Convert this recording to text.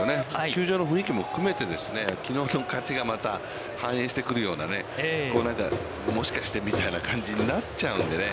球場の雰囲気も含めてですね、きのうの勝ちがまた、反映してくるようなね、もしかしてみたいな感じになっちゃうのでね。